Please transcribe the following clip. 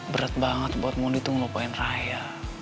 berat banget buat mundi tuh ngelupain raya